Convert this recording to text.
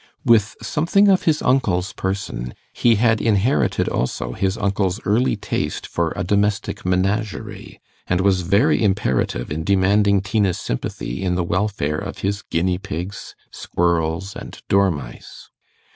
With something of his uncle's person, he had inherited also his uncle's early taste for a domestic menagerie, and was very imperative in demanding Tina's sympathy in the welfare of his guinea pigs, squirrels, and dormice.